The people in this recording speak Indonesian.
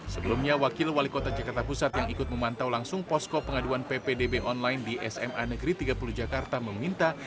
sebelumnya wakil wali kota jakarta pusat yang ikut memantau langsung posko pengaduan ppdb online di sma negeri tiga puluh jakarta meminta